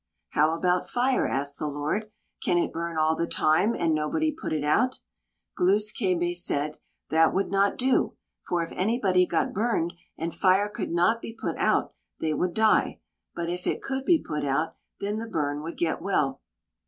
"How about fire?" asked the Lord; "can it burn all the time and nobody put it out?" Glūs kābé said: "That would not do, for if anybody got burned and fire could not be put out, they would die; but if it could be put out, then the burn would get well."